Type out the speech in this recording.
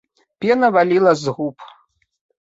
Пена валіла з губ.